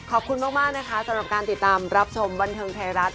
ขอบคุณมากนะคะสำหรับการติดตามรับชมบันเทิงไทยรัฐ